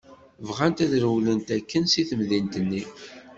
Bɣant ad rewlent akken seg temdint-nni.